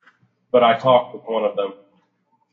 But I talked with one of them.